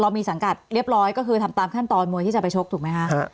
มีสังกัดเรียบร้อยก็คือทำตามขั้นตอนมวยที่จะไปชกถูกไหมคะ